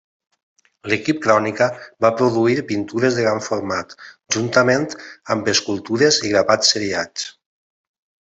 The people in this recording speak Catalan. L'Equip Crònica va produir pintures de gran format, juntament amb escultures i gravats seriats.